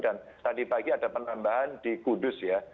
dan tadi pagi ada penambahan di kudus ya